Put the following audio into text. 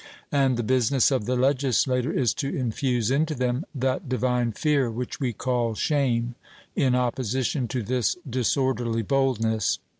And the business of the legislator is to infuse into them that divine fear, which we call shame, in opposition to this disorderly boldness.